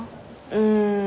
うん。